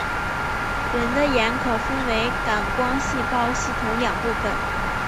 人的眼可分为感光细胞系统两部分。